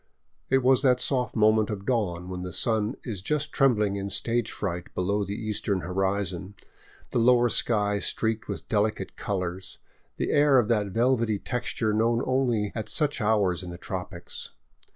It was that soft moment of dawn when the sun is just trembling in stage fright below the eastern hori zon, the lower sky streaked with delicate colors, the air of that velvety texture known only at such hours in the tropics.